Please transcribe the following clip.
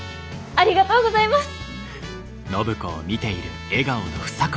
ありがとうございます！